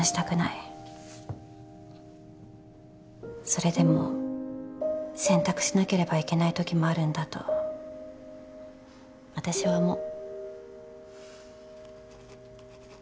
それでも選択しなければいけないときもあるんだとあたしは思う。